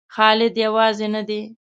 خالد یوازې نه دی.